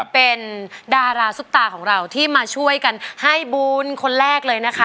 เป็นดาราซุปตาของเราที่มาช่วยกันให้บุญคนแรกเลยนะคะ